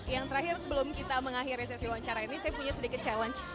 yg terakhir sebelum kita mengakhiri sesi wawancara ini saya punya sedikit challenge buatkan kop creates